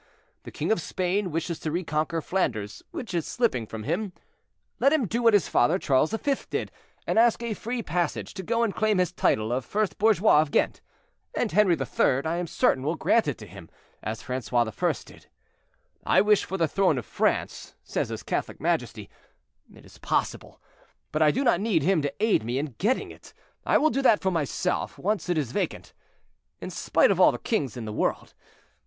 The king of Spain wishes to reconquer Flanders, which is slipping from him; let him do what his father, Charles V., did, and ask a free passage to go and claim his title of first bourgeois of Ghent, and Henri III., I am certain, will grant it to him, as Francois I. did. I wish for the throne of France, says his Catholic majesty; it is possible, but I do not need him to aid me in getting it; I will do that for myself, once it is vacant, in spite of all the kings in the world.